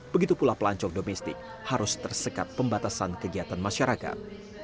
begitu pula pelancong domestik harus tersekat pembatasan kegiatan masyarakat